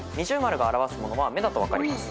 ◎が表すものは「め」だと分かります。